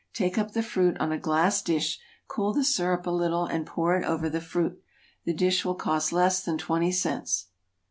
Take up the fruit on a glass dish, cool the syrup a little and pour it over the fruit. The dish will cost less than twenty cents.